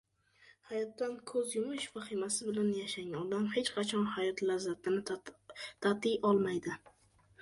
Hayotdan ko‘z yumish vahimasi bilan yashagan odam hech qachon hayot lazzatini tatiy olmaydi.